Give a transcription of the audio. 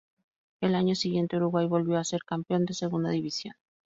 Al año siguiente Uruguay volvió a ser campeón de Segunda División.